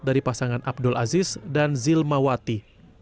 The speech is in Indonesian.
dari pasangan abdul aziz dan zilmawati